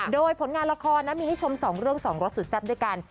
โดยผลงานละครนะมีให้ชม๒เรื่อง๒รสสุดแซ่บด้วยกัน